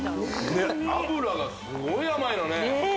ねっ脂がすごい甘いのねねえ